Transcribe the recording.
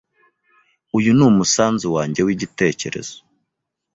Uyu ni umusanzu wanjye w’igitekerezo